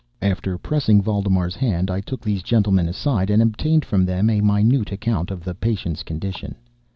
After pressing Valdemar's hand, I took these gentlemen aside, and obtained from them a minute account of the patient's condition.